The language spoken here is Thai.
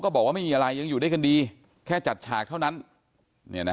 ขอบบทความว่าเขาจะคว่าไอ้ฟ้าน่าบุรัย